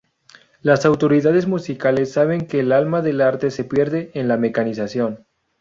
Las autoridades musicales saben que el alma del arte se pierde en la mecanización.